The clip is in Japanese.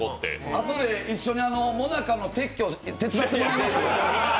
あとで一緒にもなかの撤去、手伝ってもらえますか？